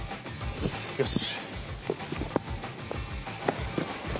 よし。